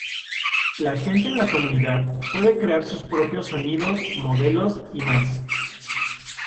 La gente en la comunidad puede crear sus propios sonidos, modelos, y más.